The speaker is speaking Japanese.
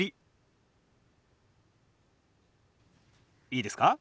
いいですか？